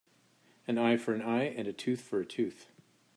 An eye for an eye and a tooth for a tooth.